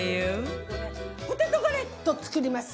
ポテトガレット作ります！